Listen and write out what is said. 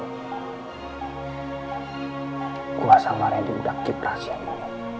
gua sama rendy udah keep rahasianya